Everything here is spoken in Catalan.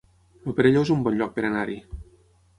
El Perelló es un bon lloc per anar-hi